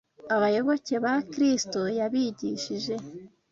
Abayoboke ba Kristo yabigishije